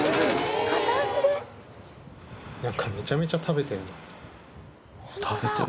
めちゃめちゃ食べてる。